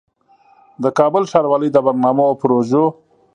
د کابل ښاروالۍ د برنامو او پروژو